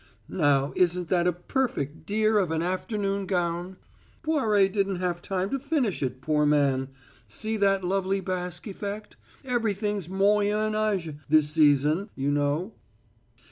Now isn't that a perfect dear of an afternoon gown? Poiret didn't have time to finish it, poor man! See that lovely basque effect? Everything's moyen age this season, you know."